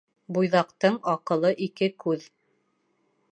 Буйҙаҡтың аҡылы ике күҙ.